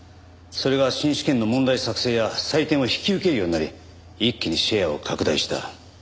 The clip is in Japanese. それが新試験の問題作成や採点を引き受けるようになり一気にシェアを拡大した。